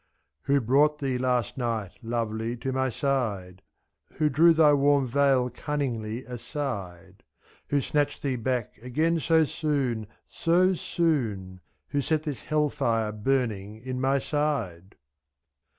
25 Who brought thee last night lovely to my side ? Who drew thy warm veil cunningly aside ?/^. Who snatched thee back again so soon, so soon f Who set this hell fire burning in my side?